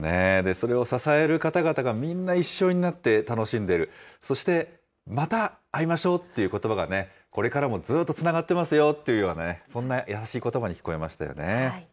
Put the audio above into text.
それを支える方々がみんな一緒になって楽しんでる、そして、また会いましょうということばがね、これからもずっとつながってますよっていうね、そんな優しいことばに聞こえましたよね。